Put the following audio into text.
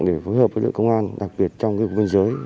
để phối hợp với lượng công an đặc biệt trong nguyên giới